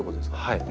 はい。